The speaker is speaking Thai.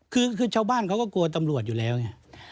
คือชาวบ้านเขาก็กลัวตำรวจอยู่แล้วไง